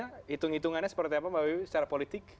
dinamikanya hitung hitungannya seperti apa pak wibi secara politik